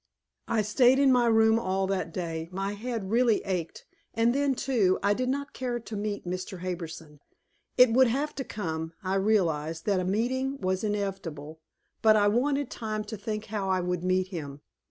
I stayed in my room all that day. My head really ached and then, too, I did not care to meet Mr. Harbison. It would have to come; I realized that a meeting was inevitable, but I wanted time to think how I would meet him.